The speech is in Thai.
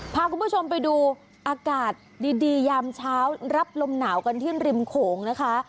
พาคุณผู้ชมไปดูอากาศดียามเช้ารับลมหนาวกันที่ริมโขงนะคะ